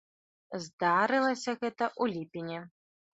Здарылася гэта ў ліпені.